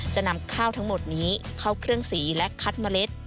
จะนำข้าวทั้งหมดนี้เข้าเครื่องสีและคัดเมล็ด